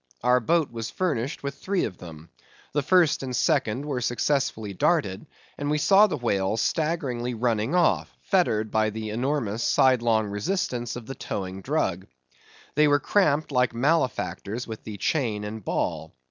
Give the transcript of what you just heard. Our boat was furnished with three of them. The first and second were successfully darted, and we saw the whales staggeringly running off, fettered by the enormous sidelong resistance of the towing drugg. They were cramped like malefactors with the chain and ball.